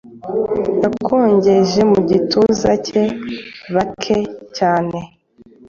Yakongejwe mu gituza cye Bake cyane